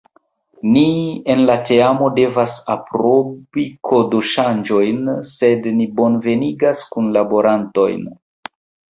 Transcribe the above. Ni en la teamo devas aprobi kodoŝanĝojn, sed ni bonvenigas kunlaborantojn!